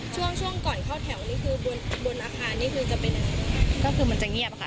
ช่วงช่วงก่อนเข้าแถวนี่คือบนอาคารนี่คือจะเป็นก็คือมันจะเงียบอะค่ะ